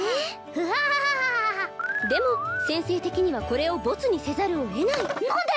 「フハハハハ」でも先生的にはこれをボツにせざるを得ない何で！？